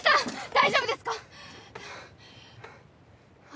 大丈夫ですか⁉ハァ。